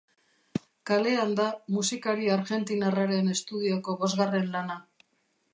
Kalean da musikari argentinarraren estudioko bosgarren lana.